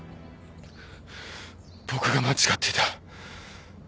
僕が間違っていた。